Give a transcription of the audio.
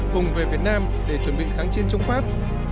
cùng về việt nam để chuẩn bị kháng chiến chống pháp